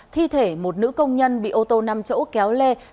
thi thể một nữ công nhân bị ô tô năm chỗ kéo lê